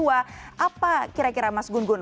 apa kira kira mas gungun